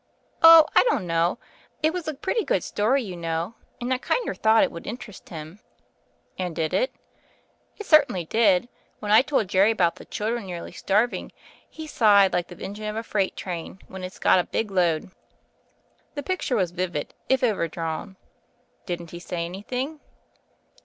"Oh, I don't know. It was a pretty good story you know, and I kinder thought it would interest him." "And did it?" "It certainly did. When I told Jerry about the children nearly starving, he signed like the engine of a freight train when irs got a big load." The picture was vivid, if overdrawn. "Didn't he say anything?"